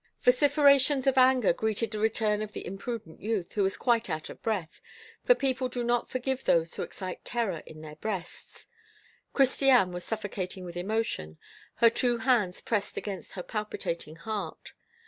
Vociferations of anger greeted the return of the imprudent youth, who was quite out of breath, for people do not forgive those who excite terror in their breasts. Christiane was suffocating with emotion, her two hands pressed against her palpitating heart.